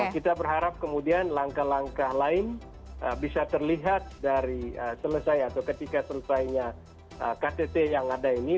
kita berharap kemudian langkah langkah lain bisa terlihat dari selesai atau ketika selesainya ktt yang ada ini